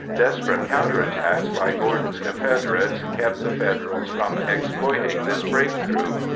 Desperate counterattacks by Gordon's Confederates kept the Federals from exploiting this breakthrough.